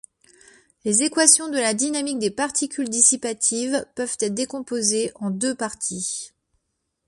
Les équations de la dynamique des particules dissipatives peuvent être décomposées en deux parties.